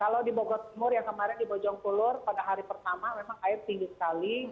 kalau di bogor timur yang kemarin di bojongkulur pada hari pertama memang air tinggi sekali